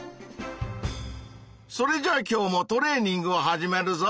それじゃあ今日もトレーニングを始めるぞ！